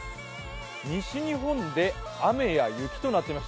西日本で雨や雪となっています。